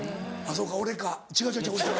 そうか俺か違う違う違う。